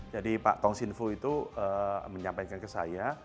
jadi pak tong sinfu itu menyampaikan ke saya